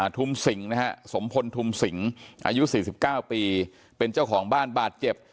ทุ่มสิงนะฮะสมพลทุมสิงอายุ๔๙ปีเป็นเจ้าของบ้านบาดเจ็บ